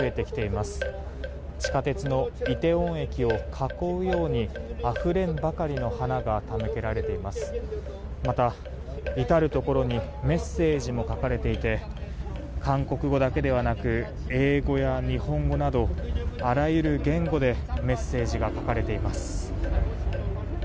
また、至るところにメッセージも書かれていて韓国語だけではなく英語や日本語などあらゆる言語でメッセージが書かれています。